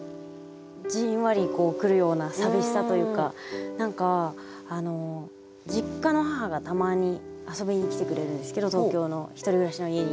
じんわり来るような寂しさというか何か実家の母がたまに遊びに来てくれるんですけど東京の１人暮らしの家に。